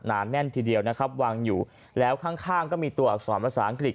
แน่นทีเดียวนะครับวางอยู่แล้วข้างข้างก็มีตัวอักษรภาษาอังกฤษ